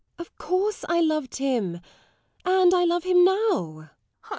Of course I loved him and I love him now.